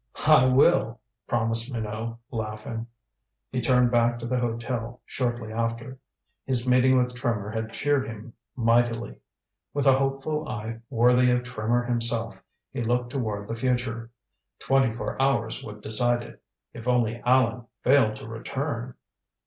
"I will," promised Minot, laughing. He turned back to the hotel shortly after. His meeting with Trimmer had cheered him mightily. With a hopeful eye worthy of Trimmer himself, he looked toward the future. Twenty four hours would decide it. If only Allan failed to return!